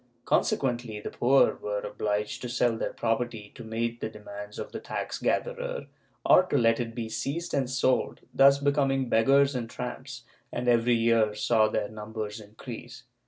Consequently the poor were ol)liged to sell their property to meet the demands of the tax gatherer, or to let it be seized and sold, thus becoming beggars and tramps, and every year saw their numbers increase.